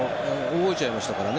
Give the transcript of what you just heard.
動いちゃいましたからね。